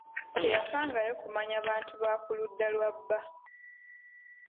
Teyafangayo kumanya bantu ba ku ludda lwa bba.